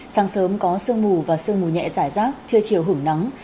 sáng sớm có sương mù và sương mù nhẹ giải rác trưa chiều hưởng nắng